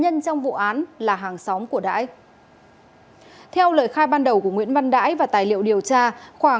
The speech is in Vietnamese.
khi nhận ra nhau thì bản thân tôi cũng cảm thấy rất là xúc đậm